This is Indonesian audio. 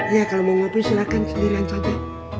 ya kalau mau ngopi silahkan sendirian saja